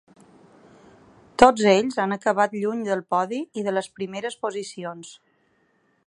Tots ells han acabat lluny del podi i de les primeres posicions.